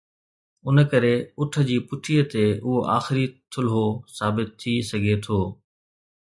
ان ڪري اُٺ جي پٺيءَ تي اهو آخري ٿلهو ثابت ٿي سگهي ٿو.